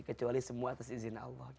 kecuali semua atas izin allah